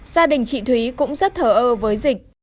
gia đình trị thúy cũng rất thở ơ với dịch